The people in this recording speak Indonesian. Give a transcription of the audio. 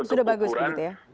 sudah bagus begitu ya